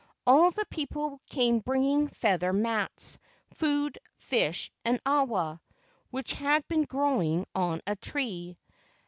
All the people came bringing feather mats, food, fish, and awa, which had been growing on a tree.